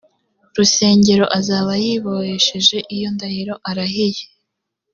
rusengero azaba yibohesheje iyo ndahiro arahiye